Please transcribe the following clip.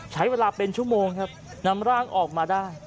ใช้เวลาเป็นชั่วโมงครับนำร่างออกมาได้